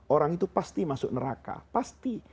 orang itu pasti masuk neraka pasti